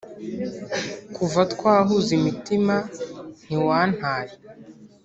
Kuva twahuza imitima ntiwantaye